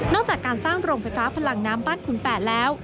จากการสร้างโรงไฟฟ้าพลังน้ำบ้านขุน๘แล้ว